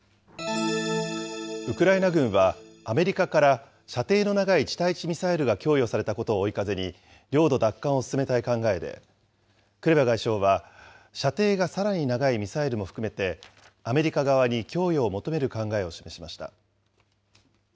ウクライナ軍はアメリカから射程の長い地対地ミサイルが供与されたことを追い風に、領土奪還を進めたい考えで、クレバ外相は射程がさらに長いミサイルも含めて、アメリカ側に供与を求める考えを示しました。